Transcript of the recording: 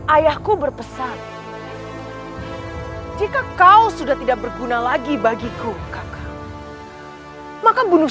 ayahku berpesan jika kau sudah tidak berguna lagi bagiku kakak maka bunuh